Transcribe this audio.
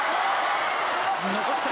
残した。